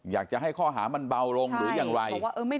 อยากจะให้ข้อหามันเบาลงหรืออย่างไร